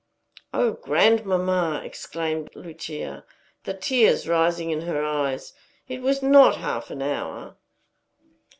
"O grandmamma!" exclaimed Lucia, the tears rising in her eyes: "it was not half an hour."